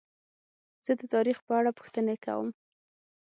زه د تاریخ په اړه پوښتنې کوم.